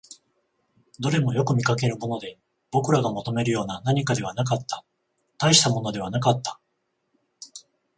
どれもよく見かけるもので、僕らが求めるような何かではなかった、大したものではなかった